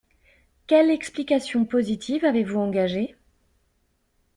Quelle explication positive avez-vous engagée?